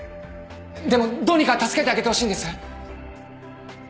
でもどうにか助けてあげてほしいんです！